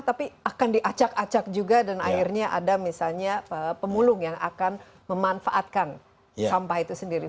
tapi akan diacak acak juga dan akhirnya ada misalnya pemulung yang akan memanfaatkan sampah itu sendiri